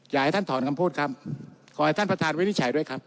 อยากให้ท่านถอนคำพูดครับขอให้ท่านประธานวินิจฉัยด้วยครับ